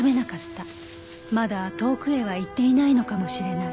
まだ遠くへは行っていないのかもしれない